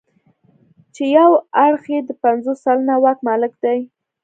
چې یو اړخ یې د پنځوس سلنه واک مالک دی.